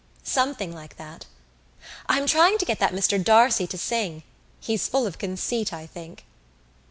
"Something like that. I'm trying to get that Mr D'Arcy to sing. He's full of conceit, I think."